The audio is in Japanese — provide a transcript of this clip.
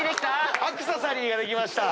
「アクササリー」ができました。